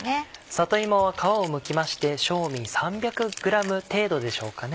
里芋は皮をむきまして正味３００ｇ程度でしょうかね。